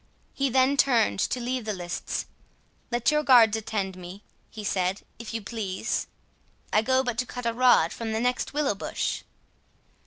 He then turned to leave the lists. "Let your guards attend me," he said, "if you please—I go but to cut a rod from the next willow bush."